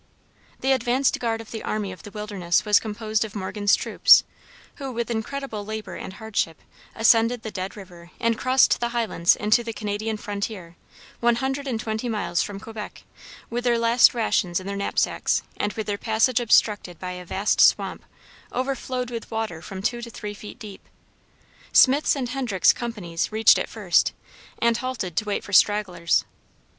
The advanced guard of the army of the wilderness was composed of Morgan's troops, who, with incredible labor and hardship, ascended the Dead river and crossed the highlands into the Canadian frontier, one hundred and twenty miles from Quebec, with their last rations in their knapsacks, and with their passage obstructed by a vast swamp overflowed with water from two to three feet deep. Smith's and Hendrick's companies reached it first, and halted to wait for stragglers.